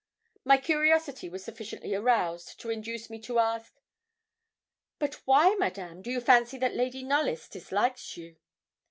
My curiosity was sufficiently aroused to induce me to ask 'But why, Madame, do you fancy that Lady Knollys dislikes you?'